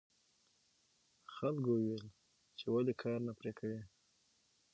خلکو وویل چې ولې کار نه پرې کوې.